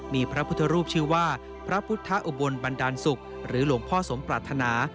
มีพระพุทธรูปชื่อว่าพระพุทธอุบลบันดาลศุกร์หรือหลวงพ่อสมปรารถนา